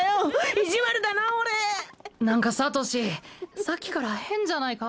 意地悪だな俺なんかサトシさっきから変じゃないか？